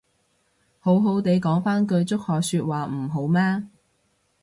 好好哋講返句祝賀說話唔好咩